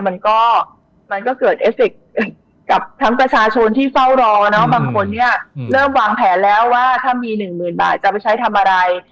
มันก็มันก็เกิดเอสติกกับทั้งประชาชนที่เฝ้ารอเนอะบางคนเนี่ยเริ่มวางแผนแล้วว่าถ้ามีหนึ่งหมื่นบาทจะไปใช้ทำอะไร